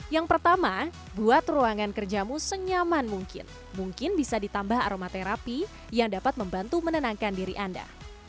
yang pertama buat ruangan kerjamu senyaman mungkin mungkin bisa ditambah aromaterapi yang dapat membantu menenangkan diri anda